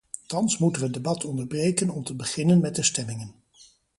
Thans moeten we het debat onderbreken om te beginnen met de stemmingen.